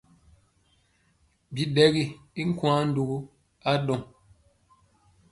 Biɗɛgi i nkwaŋ ndugu aa ɗɔŋ.